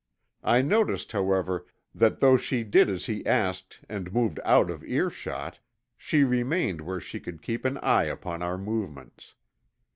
I noticed, however, that though she did as he asked and moved out of earshot, she remained where she could keep an eye upon our movements.